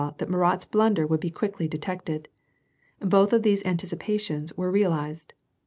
iat Murat's blunder would be quickly detected. Both of these anticipations were realized.